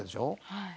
はい。